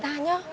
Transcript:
đây một mươi nhá